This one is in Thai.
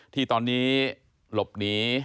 ที่ตอนนี้หลบหนี